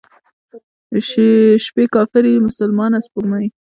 شپې کافرې، مسلمانه سپوږمۍ،